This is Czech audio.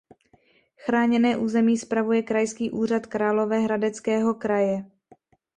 Chráněné území spravuje Krajský úřad Královéhradeckého kraje.